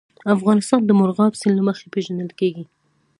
افغانستان د مورغاب سیند له مخې پېژندل کېږي.